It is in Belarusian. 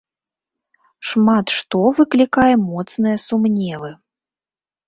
Шмат што выклікае моцныя сумневы.